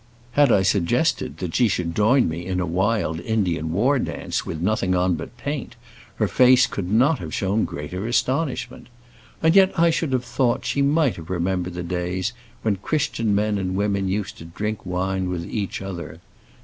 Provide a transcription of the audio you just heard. Had I suggested that she should join me in a wild Indian war dance, with nothing on but my paint, her face could not have shown greater astonishment. And yet I should have thought she might have remembered the days when Christian men and women used to drink wine with each other.